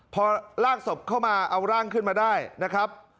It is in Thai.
พอลากศพเข้ามาเอาร่างขึ้นมาได้นะครับ